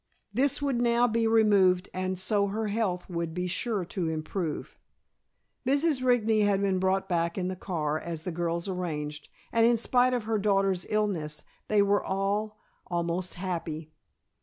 This would now be removed and so her health would be sure to improve. Mrs. Rigney had been brought back in the car, as the girls arranged, and in spite of her daughter's illness they were all almost happy.